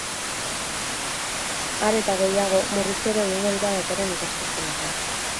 Are eta gehiago, murriztu ere egingo dira datorren ikasturterako.